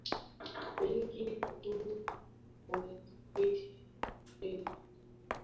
benki kuu inachapisha fedha kwa matumizi ya nchi